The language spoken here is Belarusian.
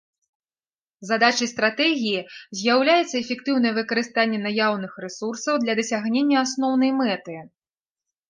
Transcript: Задачай стратэгіі з'яўляецца эфектыўнае выкарыстанне наяўных рэсурсаў для дасягнення асноўнай мэты.